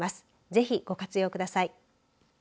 ぜひ、ご活用ください。